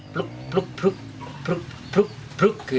pluk pluk pluk pluk pluk pluk pluk gitu